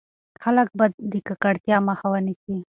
خلک به د ککړتيا مخه ونيسي.